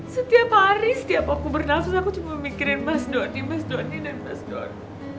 setiap hari setiap aku berlangsung aku cuma mikirin mas doni mas doni dan mas doni